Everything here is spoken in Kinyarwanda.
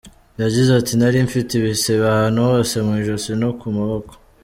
Yagize ati “Nari mfite ibisebe ahantu hose, mu ijosi no ku maboko .